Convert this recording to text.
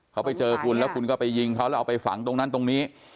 เขาไปเจอคุณแล้วคุณก็ไปยิงเขาแล้วเอาไปฝังตรงนั้นตรงนี้